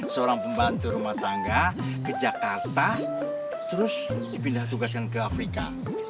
seorang pembantu rumah tangga ke jakarta terus dipindah tugaskan ke afrika